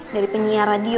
dari penyiar radio